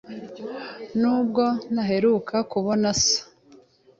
nubwo ntaheruka kubona so